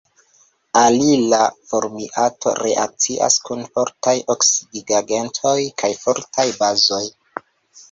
Alila formiato reakcias kun fortaj oksidigagentoj kaj fortaj bazoj.